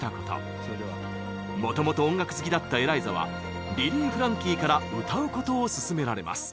もともと音楽好きだったエライザはリリー・フランキーから歌うことを勧められます。